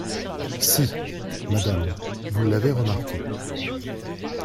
Si, madame, vous l’avez remarqué !